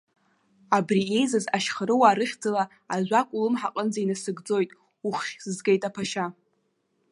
Абри еизаз ашьхарыуаа рыхьӡала ажәак улымҳа аҟынӡа инасыгӡоит, уххь згеит аԥашьа!